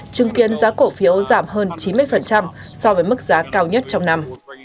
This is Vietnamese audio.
chứng kiến giá cổ phiếu giảm hơn chín mươi so với mức giá cao nhất trong năm